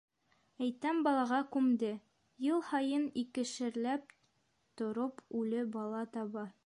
Әйтәм балаға күмде: йыл һайын икешәрләп тороп үле бала таба.